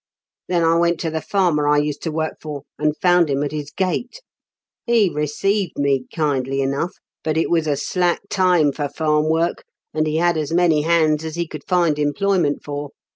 "Then I went to the farmer I used to work for, and found him at his gate. He received me kindly enough, but it was a slack TEE CONVICT'S 8T0BY. 129 time for farm work, and he had as many hands as he could find employment for.